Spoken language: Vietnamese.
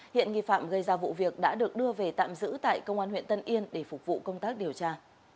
hiện nghi phạm gây ra vụ việc đã được đưa về tạm giữ tại công an huyện tân yên để phục vụ công tác điều tra